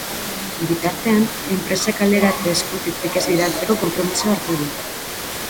Bitartean, enpresak kaleratze-eskutitzik ez bidaltzeko konpromisoa hartu du.